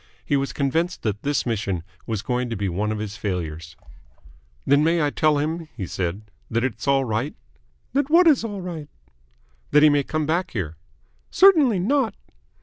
He was convinced that this mission was going to be one of his failures. "Then I may tell him," he said, "that it's all right?" "That what is all right?" "That he may come back here?" "Certainly not."